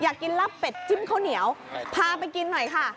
อยากกินลาบเป็ดจิ้มข้าวเหนียวพาไปกินหน่อยค่ะ